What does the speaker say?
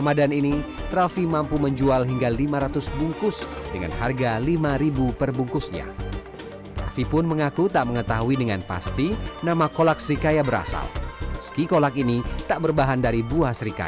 yang membedakan kolak serikaya dengan kolak yang ada di indonesia adalah menggunakan telur sebagai tambahan dalam kuahnya